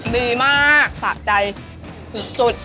ดีมากสะใจสุด